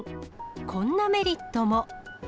こんなメリットも。